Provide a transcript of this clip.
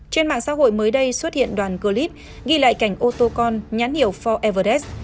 trên mạng xã hội mới đây xuất hiện đoàn clip ghi lại cảnh ô tô con nhắn hiệu bốn everdesk